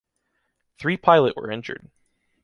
Three pilot were injured.